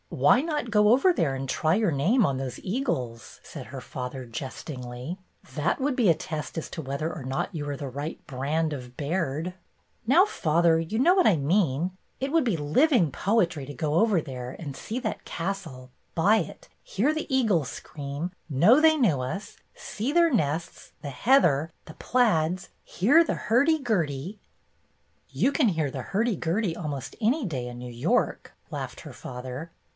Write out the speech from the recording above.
"Why not go over there and try your name on those eagles?" said her father, jestingly. "That would be a test as to whether or not you are the right brand of Baird." "Now, father, you know what I mean. It would be living poetry to go over there and see that castle, buy it, hear the eagles scream, know they knew us, see their nests, the heather, the plaids, hear the hurdy gurdy —" "You can hear the hurdy gurdy almost any day in New York," laughed her father.